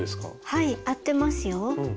はい合ってますよ。